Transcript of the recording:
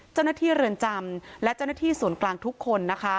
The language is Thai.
เจ้าหน้าที่เรือนจำและเจ้าหน้าที่ส่วนกลางทุกคนนะคะ